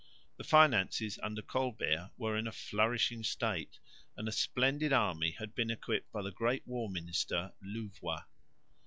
The finances under Colbert were in a flourishing state, and a splendid army had been equipped by the great war minister, Louvois.